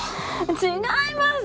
違います。